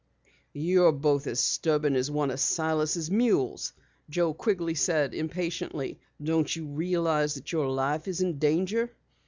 "You're both as stubborn as one of Silas' mules!" Joe Quigley said impatiently. "Don't you realize that your life is in danger?"